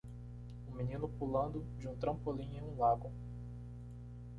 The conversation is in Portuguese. Um menino pulando de um trampolim em um lago.